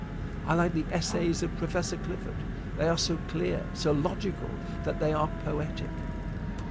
I like the essays of Prof. Clifford. They are so clear, so logical that they are poetic.